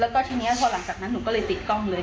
แล้วก็ทีนี้พอหลังจากนั้นหนูก็เลยติดกล้องเลย